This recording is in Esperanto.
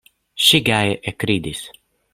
Ŝi gaje ekridis.